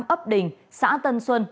ấp đình xã tân xuân